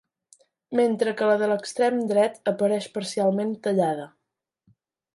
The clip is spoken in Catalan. Mentre que la de l'extrem dret apareix parcialment tallada.